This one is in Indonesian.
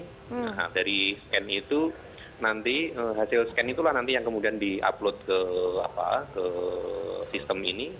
nah dari scan itu nanti hasil scan itulah nanti yang kemudian di upload ke sistem ini